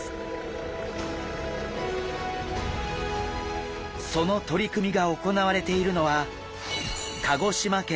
その取り組みが行われているのは鹿児島県の奄美大島。